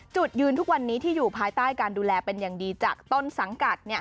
จุดยืนทุกวันนี้ที่อยู่ภายใต้การดูแลเป็นอย่างดีจากต้นสังกัด